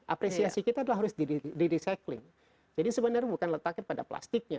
apresiasi kita adalah harus di recycling jadi sebenarnya bukan letaknya pada plastiknya